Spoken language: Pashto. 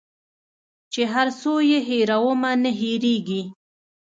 چي هر څو یې هېرومه نه هیریږي